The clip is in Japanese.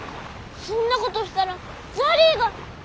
そんなことしたらザリィが。